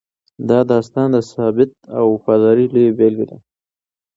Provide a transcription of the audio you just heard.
دا داستان د ثبات او وفادارۍ لویه بېلګه ده.